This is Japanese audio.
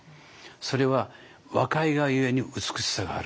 それは若いがゆえに美しさがある。